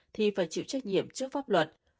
thì phải chịu trách nhiệm trước pháp luật